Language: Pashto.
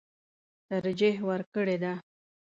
ترجېح ورکړې ده.